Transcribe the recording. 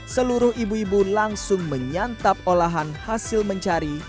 seluruh ibu ibu langsung menyantap olahan hasil mencari